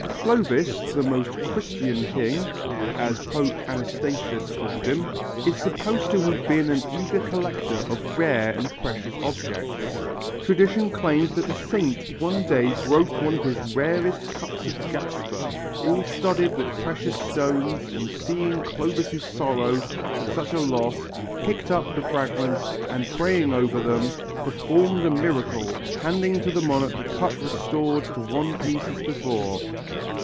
Clovis, the "Most Christian King," as Pope Anastasius called him, is supposed to have been an eager collector of rare and precious objects. Tradition claims that a saint one day broke one of his rarest cups of jasper all studded with precious stones, and seeing Clovis' sorrow at such a loss, picked up the fragments and praying over them, performed a miracle, handing to the monarch the cup restored to one piece as before.